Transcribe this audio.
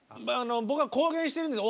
僕は公言してるんですよ。